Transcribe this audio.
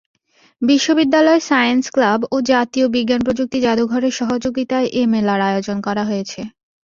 বিশ্ববিদ্যালয় science club ও জাতীয় বিজ্ঞান-প্রযুক্তি জাদুঘরের সহযোগিতায় এ মেলার আয়োজন করা হয়েছে।